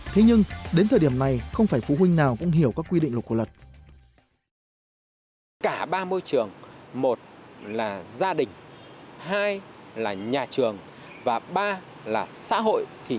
thế nhưng đến thời điểm này không phải phụ huynh nào cũng hiểu các quy định của luật